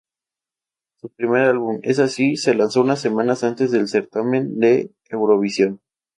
Su primer álbum "Es así" se lanzó unas semanas antes del certamen de eurovisión.